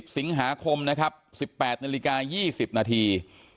สิงหาคมนะครับ๑๘นาฬิกา๒๐นาที